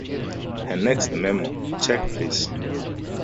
Her next memoir, Check Please!